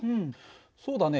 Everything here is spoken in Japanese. そうだね。